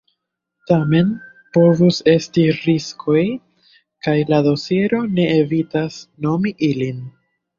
Tamen, povus esti riskoj, kaj la dosiero ne evitas nomi ilin.